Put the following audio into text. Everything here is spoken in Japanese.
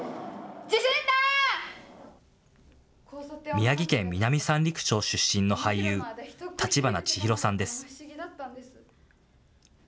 宮城県南三陸町出身の俳優、橘千裕さんです。